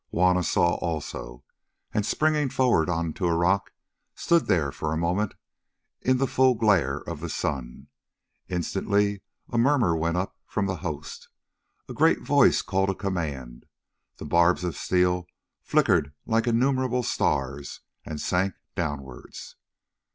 Juanna saw also, and springing forward on to a rock, stood there for a moment in the full glare of the sun. Instantly a murmur went up from the host; a great voice called a command; the barbs of steel flickered like innumerable stars, and sank downwards.